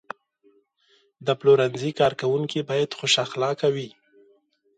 د پلورنځي کارکوونکي باید خوش اخلاقه وي.